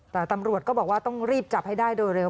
แต่ตำรวจก็บอกว่าต้องรีบจับให้ได้โดยเร็ว